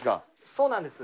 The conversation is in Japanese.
そうなんです。